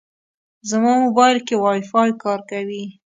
زما موبایل کې وايفای کار کوي.